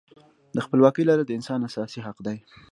د خپلواکۍ لرل د هر انسان اساسي حق دی.